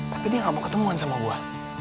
tapi dia gak mau ketemuan sama buah